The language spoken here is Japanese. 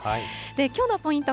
きょうのポイント